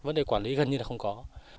vấn đề quản lý gần như là không có